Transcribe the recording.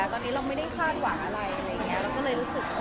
ตอนนี้เราก็ไม่ได้คาดหวังอะไรอะไรเงี้ย